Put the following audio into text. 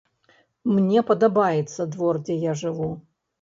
Мне падабаецца двор, дзе я жыву.